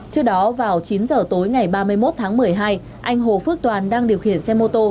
trước đó vào chín giờ tối ngày ba mươi một tháng một mươi hai anh hồ phước toàn đang điều khiển xe mô tô